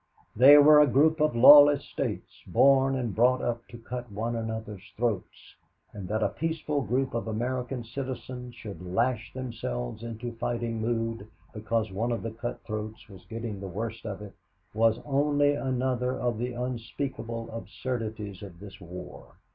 They were a group of lawless states, born and brought up to cut one another's throats and that a peaceful group of American citizens should lash themselves into fighting mood because one of the cut throats was getting the worst of it, was only another of the unspeakable absurdities of this war.